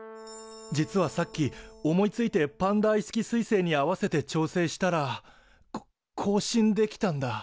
実はさっき思いついてパンダーイスキ彗星に合わせて調整したらこ交信できたんだ。